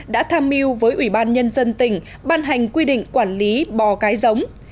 đã tham mưu với ủy ban nhân dân tỉnh ban hành quy định quản lý bò cái giống